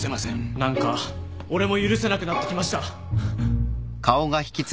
何か俺も許せなくなってきました！